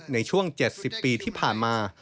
ในช่วง๗๐ปีที่ผ่านมา